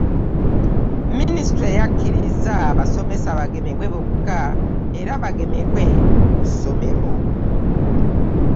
Minisitule yakkiriza abasomesa bagemebwe bokka era bagemerwe ku masomero